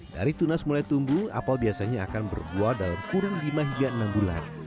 dari tunas mulai tumbuh apel biasanya akan berbuah dalam kurun lima hingga enam bulan